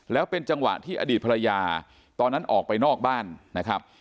แล้วเป็นจังหวะที่อดีตภรรยาตอนนั้นออกไปนอกบ้านนะครับ